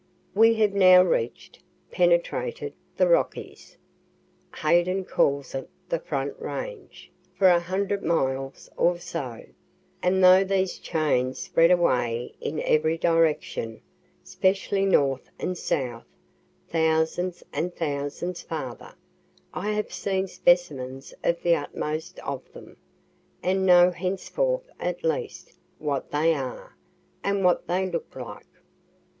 We have now reach'd, penetrated the Rockies, (Hayden calls it the Front Range,) for a hundred miles or so; and though these chains spread away in every direction, specially north and south, thousands and thousands farther, I have seen specimens of the utmost of them, and know henceforth at least what they are, and what they look like.